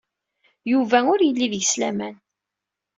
Yuba ur yelli deg-s laman.